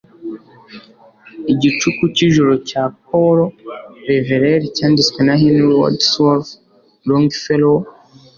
igicuku cyijoro cya paul revere cyanditswe na henry wadsworth longfellow